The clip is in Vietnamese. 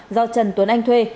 do trần tuấn anh thuê